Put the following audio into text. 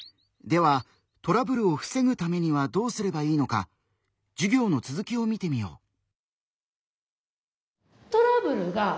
ではトラブルをふせぐためにはどうすればいいのか授業の続きを見てみよう。